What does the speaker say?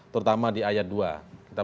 terutama di ayat dua